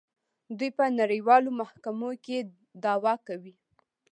دوی په نړیوالو محکمو کې دعوا کوي.